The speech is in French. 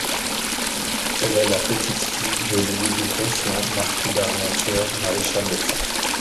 Elle est la petite-fille de Louis de Conflans, marquis d'Armentières, maréchal de France.